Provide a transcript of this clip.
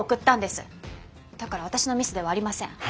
だから私のミスではありません。